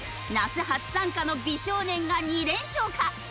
那須初参加の美少年が２連勝か？